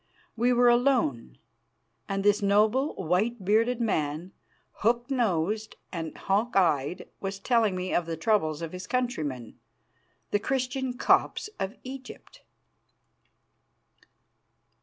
We were alone, and this noble, white bearded man, hook nosed and hawk eyed, was telling me of the troubles of his countrymen, the Christian Copts of Egypt.